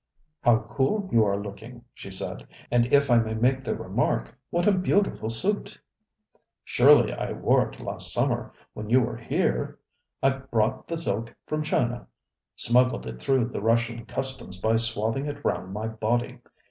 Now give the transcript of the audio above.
ŌĆ£How cool you are looking, ŌĆØ she said; ŌĆ£and if I may make the remarkŌĆöwhat a beautiful suit! ŌĆØ ŌĆ£Surely I wore it last summer when you were here? I brought the silk from ChinaŌĆösmuggled it through the Russian customs by swathing it round my body.